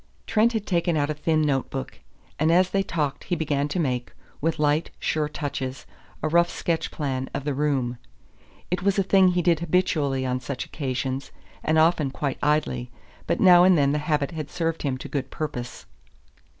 Trent had taken out a thin notebook, and as they talked he began to make, with light, sure touches, a rough sketch plan of the room. It was a thing he did habitually on such occasions, and often quite idly, but now and then the habit had served him to good purpose.